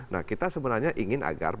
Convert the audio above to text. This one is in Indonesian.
nah kita sebenarnya ingin agar